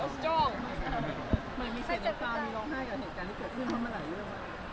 มันมีเสียน้ำตาลที่ร้องไห้กับเหตุการณ์ที่เกิดขึ้นเมื่อไหร่หรือเปล่า